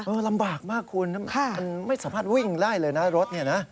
ลำบากมากคุณมันไม่สามารถวิ่งได้เลยนะรถเนี่ยนะ